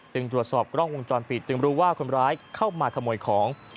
ตรวจสอบกล้องวงจรปิดจึงรู้ว่าคนร้ายเข้ามาขโมยของ